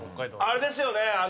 あれですよね。